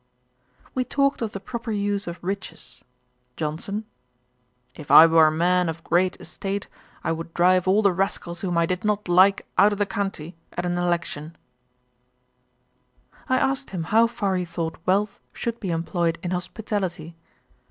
We talked of the proper use of riches. JOHNSON. 'If I were a man of a great estate, I would drive all the rascals whom I did not like out of the county at an election.' I asked him how far he thought wealth should be employed in hospitality.